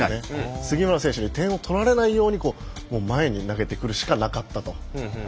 杉村選手に点を取られないように前に投げてくるしかなかったと。